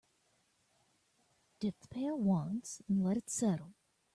Dip the pail once and let it settle.